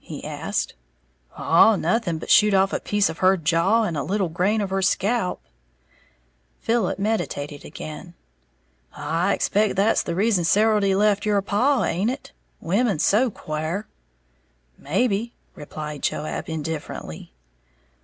he asked. "Oh, nothing, but shoot off a piece of her jaw and a little grain of her scalp." Philip meditated again. "I expect that's the reason Serildy left your paw, haint it? Women's so quare." "Maybe," replied Joab, indifferently.